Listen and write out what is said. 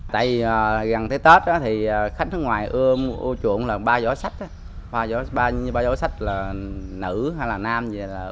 tại gần tới tết khách nước ngoài ưa chuộng ba giỏ sách ba giỏ sách là nữ hay là nam